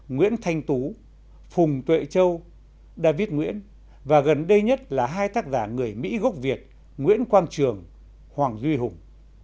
nguyễn thanh tú phùng tuệ châu david nguyễn và gần đây nhất là hai tác giả người mỹ gốc việt nguyễn quang trường hoàng duy hùng